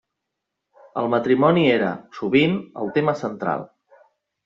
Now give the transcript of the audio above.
El matrimoni era, sovint, el tema central.